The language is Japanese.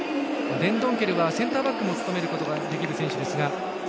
デンドンケルはセンターバックも務めることができる選手。